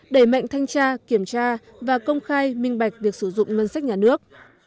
đẩy mạnh thanh tra kiểm tra và công khai minh bạch việc sử dụng ngân sách nhà nước